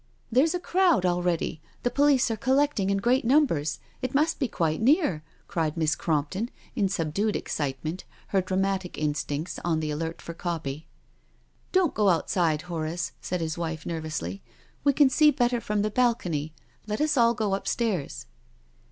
'• There's a crowd already— the police are collecting in great numbers. It must be quite near/' cried Miss Crompton in subdued excitement^ her dramatic instincts on the alert for copy. "Don't go outside, Horace," said his wife nervously. " We can see better from the balcony. Let us all go upstairs.